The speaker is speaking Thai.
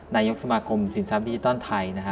นายกสมาคมสินทรัพย์ดิจิตอลไทย